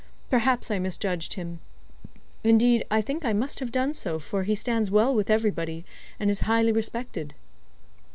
Perhaps I misjudged him. Indeed, I think I must have done so, for he stands well with everybody, and is highly respected."